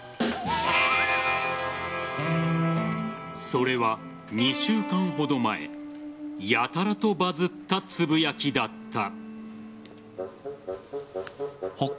それは２週間ほど前やたらとバズったつぶやきだった。